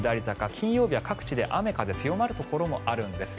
金曜日は各地で雨風強まるところがあるんです。